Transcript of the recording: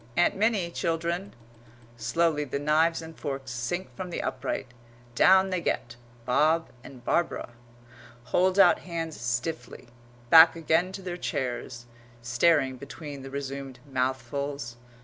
"Aunt Minnie, children." Slowly the knives and forks sink from the upright. Down they get (Bob and Barbara), hold out hands stiffly; back again to their chairs, staring between the resumed mouthfuls.